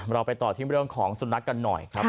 เราไปต่อที่เรื่องของสุนัขกันหน่อยครับ